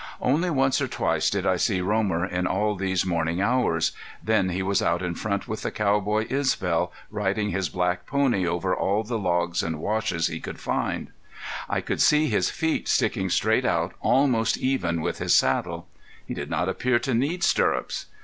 Only once or twice did I see Romer in all these morning hours; then he was out in front with the cowboy Isbel, riding his black pony over all the logs and washes he could find. I could see his feet sticking straight out almost even with his saddle. He did not appear to need stirrups.